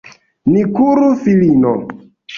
Ni kuru, filino!